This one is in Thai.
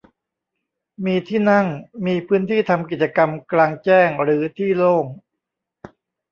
มีที่นั่ง มีพื้นที่ทำกิจกรรมกลางแจ้งหรือที่โล่ง